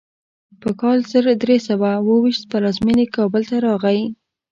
په کال زر درې سوه اوو ویشت پلازمینې کابل ته راغی.